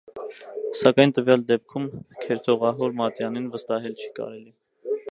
Սակայն տվյալ դեպքում քերթողահոր մատյանին վստահել չի կարելի։